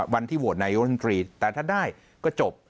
วันที่โหวตนายกรัฐมนตรีแต่ถ้าได้ก็จบ